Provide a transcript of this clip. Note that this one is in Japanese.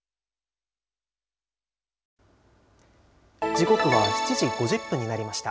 時刻は７時５０分になりました。